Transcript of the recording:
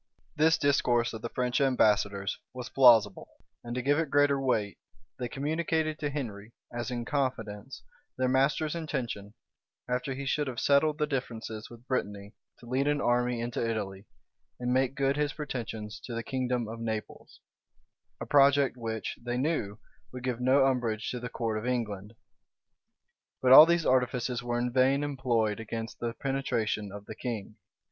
[*]* Bacon, p. 589. This discourse of the French ambassadors was plausible; and to give it greater weight, they communicated to Henry, as in confidence, their master's intention, after he should have settled the differences with Brittany to lead an army into Italy, and make good his pretensions to the kingdom of Naples; a project which, they knew, would give no umbrage to the court of England. But all these artifices were in vain employed against the penetration of the king.